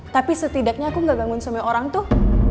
tapi setidaknya aku gak gangguin sama orang tuh